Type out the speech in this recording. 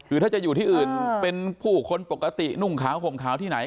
คือถ้าจะอยู่ที่อื่นเป็นผู้คนปกตินุ่งขาวห่มขาวที่ไหน